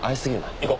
行こう。